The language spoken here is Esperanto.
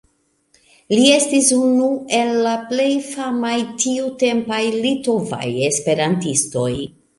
Li estis unu el la plej famaj tiutempaj litovaj esperantistoj.